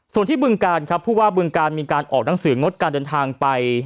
ส่วนที่บึงการครับผู้ว่าบึงการมีการออกหนังสืองดการเดินทางไป